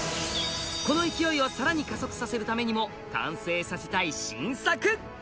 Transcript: この勢いをさらに加速させるためにも完成させたい新作！